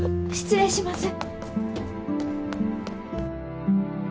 失礼します。